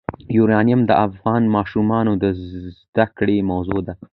یورانیم د افغان ماشومانو د زده کړې موضوع ده.